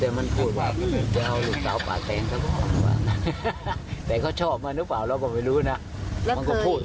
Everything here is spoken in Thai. เคยอ่าคนชื่อดำผู้เสียชีวิตเนี้ยเคยไปแบบว่ารุ่มล่ามอะไรลูกสาว